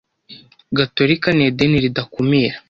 gatolika ni idini ridakumira